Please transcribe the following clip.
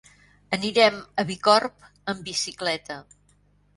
Anirem a Bicorb amb bicicleta.